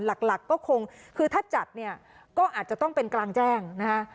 หลักก็คงคือถ้าจัดก็อาจจะต้องเป็นกลางแจ้ง